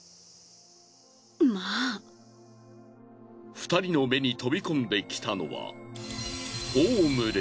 ２人の目に飛び込んできたのは。